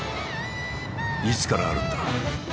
いつからあるんだ？